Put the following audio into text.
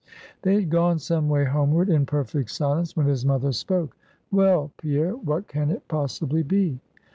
They had gone some way homeward, in perfect silence, when his mother spoke. "Well, Pierre, what can it possibly be!"